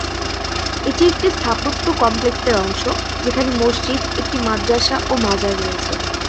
এটি একটি স্থাপত্য কমপ্লেক্সের অংশ, যেখানে মসজিদ, একটি মাদ্রাসা ও মাজার রয়েছে।